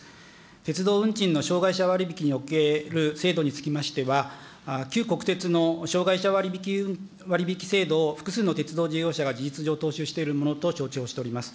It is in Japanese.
鉄道運賃の障害者割引における制度につきましては、旧国鉄の障害者割引制度を複数の鉄道事業者が事実上、踏襲してるものと承知をしております。